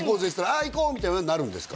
「ああ行こう」みたいにはなるんですか？